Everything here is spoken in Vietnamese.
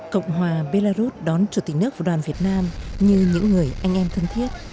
cộng hòa belarus đón chủ tịch nước và đoàn việt nam như những người anh em thân thiết